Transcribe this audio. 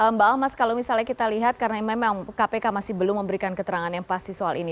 mbak almas kalau misalnya kita lihat karena memang kpk masih belum memberikan keterangan yang pasti soal ini